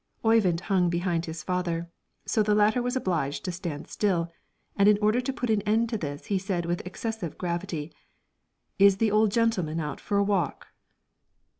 Oyvind hung behind his father, so the latter was obliged to stand still, and in order to put an end to this he said with excessive gravity, "Is the old gentleman out for a walk?"